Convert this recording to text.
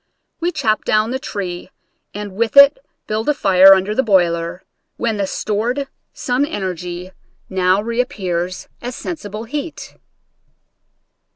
We chop down the tree and with it build a fire under the boiler, when the stored sun energy now reappears as sensi ble heat.